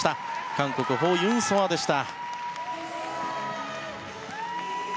韓国、ホ・ユンソアでした。